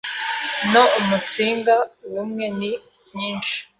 no umunsinga ubumwe ni nyinshi